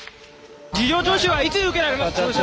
事情聴取はいつ受けられますか。